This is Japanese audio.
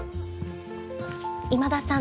今田さん